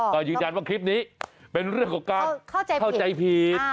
ก็ยืนยันว่าคลิปนี้เป็นเรื่องของการเข้าใจผิด